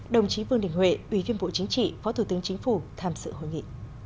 đồng chí vương đình huệ ubnd phó thủ tướng chính phủ tham sự hội nghị